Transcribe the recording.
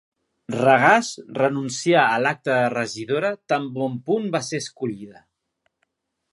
Regàs renuncià a l'acta de regidora tan bon punt va ser escollida.